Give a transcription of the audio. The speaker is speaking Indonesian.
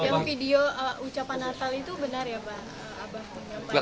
yang video ucapan natal itu benar ya pak abah